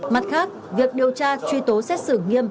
mặt khác việc điều tra truy tố xét xử nghiêm